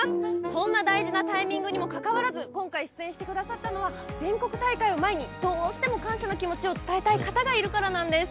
そんな大事なタイミングにもかかわらず今回出演してくださったのは全国大会を前に、どうしても感謝の気持ちを伝えたい方がいるからなんです。